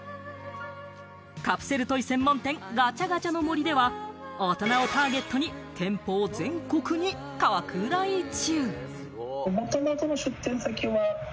カプセルトイ専門店・ガチャガチャの森では、大人をターゲットに店舗を全国に拡大中。